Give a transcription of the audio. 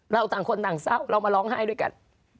ต่างคนต่างเศร้าเรามาร้องไห้ด้วยกัน